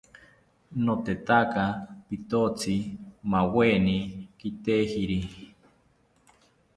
Notetaka pitotzi maaweni kitejiri